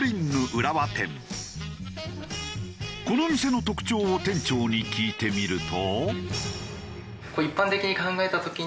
この店の特徴を店長に聞いてみると。